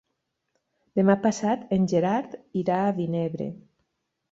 Demà passat en Gerard irà a Vinebre.